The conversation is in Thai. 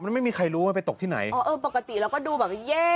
แล้วไม่มีใครรู้ว่าไปตกที่ไหนอ๋อเออปกติแล้วก็ดูแบบเย่